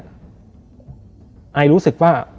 ไอรู้สึกว่า